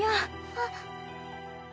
あっ。